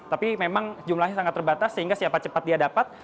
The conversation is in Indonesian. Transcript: tapi memang jumlahnya sangat terbatas sehingga siapa cepat dia dapat